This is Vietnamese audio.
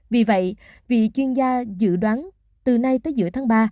vì vậy vị chuyên gia dự đoán từ nay tới giữa tháng ba